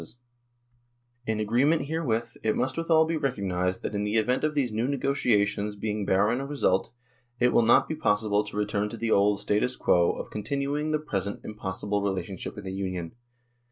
92 NORWAY AND THE UNION WITH SWEDEN " In agreement herewith it must withal be recog nised that in the event of these new negotiations being barren of result, it will not be possible to return to the old status quo of continuing the present im possible relationship in the Union.